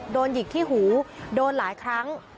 หยิกที่หูโดนหลายครั้ง